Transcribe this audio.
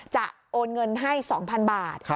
โอนเงินให้๒๐๐๐บาท